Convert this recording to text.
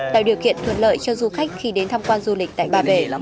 tạo điều kiện thuận lợi cho du khách khi đến tham quan du lịch tại ba bể